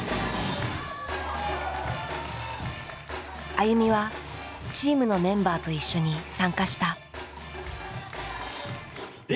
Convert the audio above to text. ＡＹＵＭＩはチームのメンバーと一緒に参加した。